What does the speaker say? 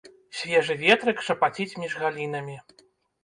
Свежы ветрык шапаціць між галінамі.